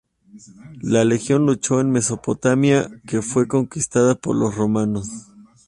La legión luchó en Mesopotamia, que fue conquistada por los romanos.